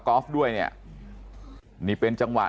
ครับคุณสาวทราบไหมครับ